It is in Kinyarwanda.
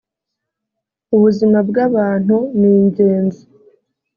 ubuzima bw’ abantu ningenzi.